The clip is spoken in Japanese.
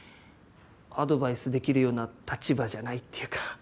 アドバイスできるような立場じゃないっていうか。